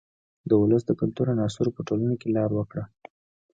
د ولس د کلتور عناصرو په ټولنه کې لار وکړه.